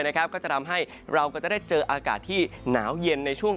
ก็จะทำให้เราก็จะได้เจออากาศที่หนาวเย็นในช่วง